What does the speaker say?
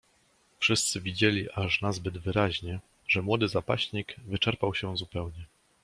"Wszyscy widzieli aż nazbyt wyraźnie, że młody zapaśnik wyczerpał się zupełnie."